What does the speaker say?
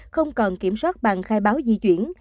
không cần kiểm soát bàn khai báo di chuyển